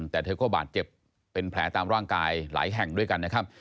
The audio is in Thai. แต่เธอก็บาดเจ็บเป็นแผลตามร่างกายหลายแห่งด้วยกันนะครับ